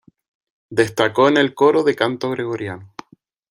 Destacó en el coro de canto gregoriano.